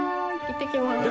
いってきます。